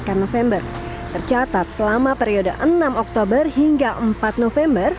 november tercatat selama periode enam oktober hingga empat november